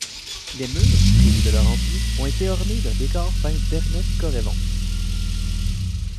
Les murs, privés de leur enduit, ont été ornés d'un décor peint d'Ernest Correvon.